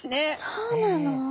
そうなの？